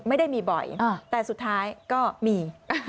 ไม่ได้มีบ่อยแต่สุดท้ายก็มี